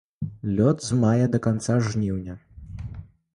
Лёт з мая да канца жніўня.